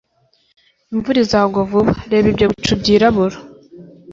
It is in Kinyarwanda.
Imvura izagwa vuba. Reba ibyo bicu byirabura.